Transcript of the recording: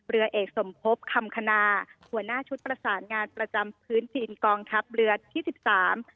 เรือเอกสมภพคำคณาหัวหน้าชุดประสานงานประจำพื้นถิ่นกองทัพเรือที่สิบสาม